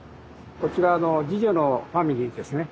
こちら次女のファミリーですね。